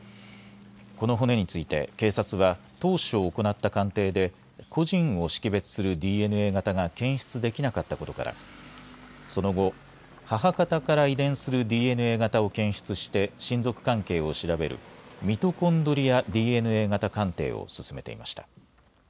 この骨について、警察は当初行った鑑定で、個人を識別するＤＮＡ型が検出できなかったことから、その後、母方から遺伝するＤＮＡ型を検出して親族関係を調べる、ミトコンドリアＤＮＡ型鑑定を進めていました。